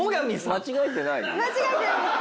間違えてないです。